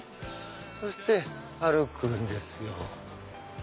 そして歩くんですよ。